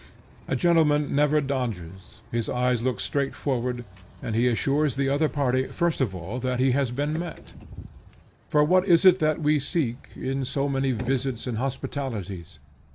A gentleman never dodges; his eyes look straight forward, and he assures the other party, first of all, that he has been met. For what is it that we seek, in so many visits and hospitalities?